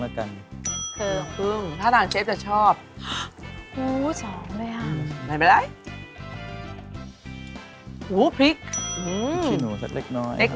เด็กน้อยนะเชฟทำเพื่อนเด็ก